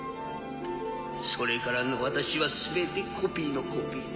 それからの私は全てコピーのコピーだ。